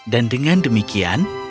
dan dengan demikian